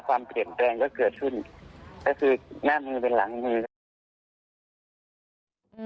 ความเปรียบแรงก็เกิดขึ้นแล้วคือหน้ามือเป็นหลังมือ